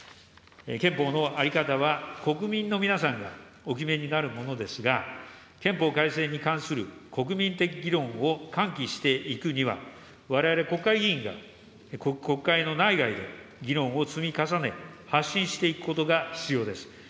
憲法の在り方は国民の皆さんがお決めになるものですが、憲法改正に関する国民的議論を喚起していくには、われわれ国会議員が、国会の内外で議論を積み重ね、発信していくことが必要です。